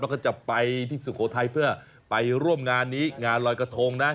แล้วก็จะไปที่สุโขทัยเพื่อไปร่วมงานนี้งานลอยกระทงนะ